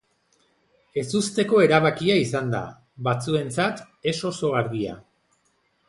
Ezusteko erabakia izan da, batzuentzat ez oso argia.